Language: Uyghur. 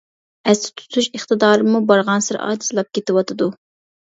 ئەستە تۇتۇش ئىقتىدارىممۇ بارغانسېرى ئاجىزلاپ كېتىۋاتىدۇ.